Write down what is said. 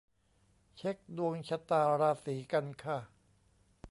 เช็กดวงชะตาราศีกันค่ะ